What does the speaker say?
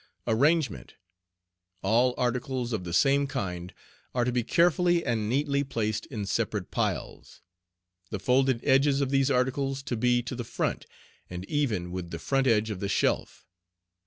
Arrangement All articles of the same kind are to be carefully and neatly placed in separate piles. The folded edges of these articles to be to the front, and even with the front edge of the shelf.